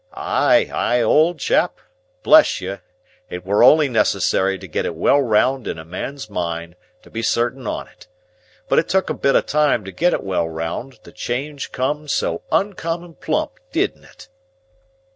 Ay, ay, old chap! Bless you, it were only necessary to get it well round in a man's mind, to be certain on it. But it took a bit of time to get it well round, the change come so oncommon plump; didn't it?"